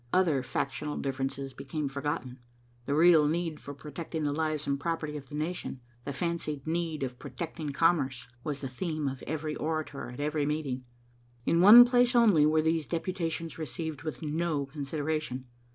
Other factional differences became forgotten. The real need for protecting the lives and property of the nation, the fancied need of protecting commerce, was the theme of every orator at every meeting. In one place only were these deputations received with no consideration.